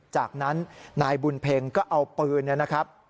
จากนั้นนายบุญเพ็งก็เอาปืน